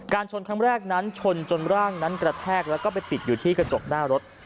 ชนครั้งแรกนั้นชนจนร่างนั้นกระแทกแล้วก็ไปติดอยู่ที่กระจกหน้ารถ